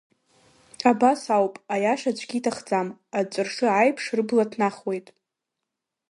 Абас ауп, аиаша аӡәгьы иҭахӡам, аҵәыршы аиԥш рыбла ҭнахуеит.